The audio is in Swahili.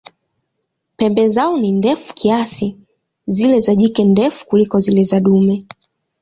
Pembe zao ni ndefu kiasi, zile za jike ndefu kuliko zile za dume.